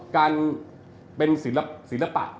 การเป็นศิลปะ